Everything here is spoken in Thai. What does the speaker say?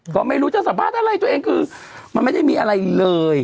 ก็ไม่รู้จะสัมภาษณ์อะไรตัวเองคือมันไม่ได้มีอะไรเลย